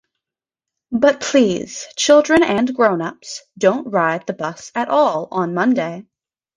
But please, children and grown-ups, don't ride the bus at all on Monday.